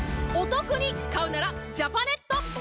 おトクに買うならジャパネット！